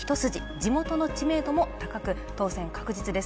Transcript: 地元の知名度も高く、当選確実です。